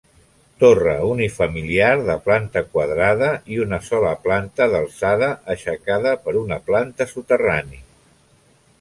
Torre unifamiliar de planta quadrada i una sola planta d'alçada aixecada per una planta soterrani.